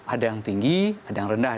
ada yang tinggi ada yang rendah